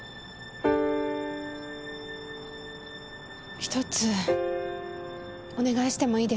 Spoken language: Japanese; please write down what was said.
１つお願いしてもいいですか。